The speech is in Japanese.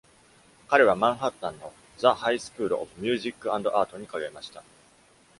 彼はマンハッタンの The High School of Music and Art に通いました。